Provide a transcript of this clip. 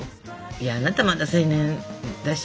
いやあなたまだ青年だし。